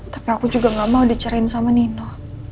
tapi aku juga gak mau dicerin sama nino